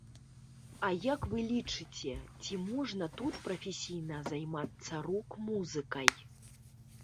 А як вы лічыце, ці можна тут прафесійна займацца рок-музыкай?